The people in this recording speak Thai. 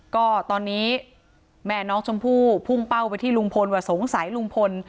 ก็ตอนนี้แม่น้องชมพู่พุ่งเป้าไปที่ลุงพลว่าสงสัยลุงพล